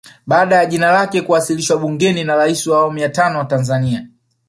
Baada ya jina lake kuwasilishwa bungeni na Rais wa awamu ya tano wa Tanzania